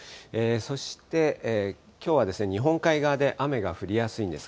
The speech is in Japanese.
そしてきょうはですね、日本海側で雨が降りやすいんです。